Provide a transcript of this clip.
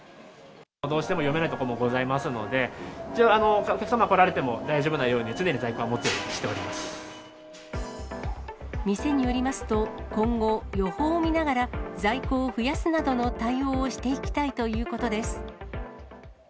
どうしても読めないところもございますので、一応、お客様来られても大丈夫なように、常に在庫は持つようにしておりま店によりますと、今後、予報を見ながら、在庫を増やすなどの対応をしていきたいということです。